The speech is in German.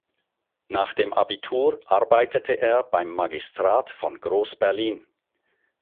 Nach dem Abitur arbeitete er beim Magistrat von Groß-Berlin.